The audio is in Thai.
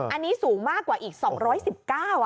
อันนี้สูงมากกว่าอีก๒๑๙บาท